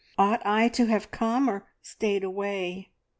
Ought I to have come, or stayed away?"